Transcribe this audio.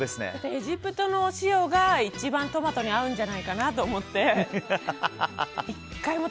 エジプトのお塩が一番トマトに合うんじゃないかなと思って。